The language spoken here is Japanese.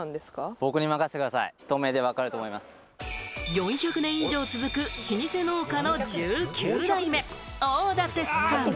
４００年以上続く老舗農家の１９代目・大立さん。